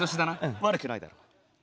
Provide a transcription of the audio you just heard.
悪くないだろう。